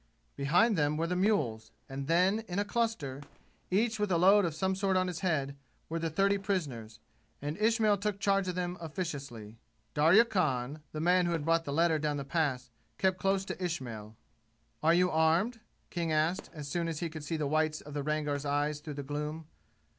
Behind them were the mules, and then in a cluster, each with a load of some sort on his head, were the thirty prisoners, and Ismail took charge of them officiously. Darya Khan, the man who had brought the letter down the Pass, kept close to Ismail. "Are you armed?" King asked, as soon as he could see the whites of the Rangar's eyes through the gloom.